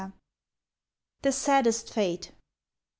THE SADDEST FATE.